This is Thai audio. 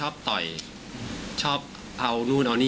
หัวฟาดพื้น